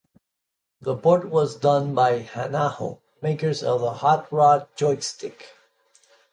The port was done by Hanaho, makers of the Hotrod joystick.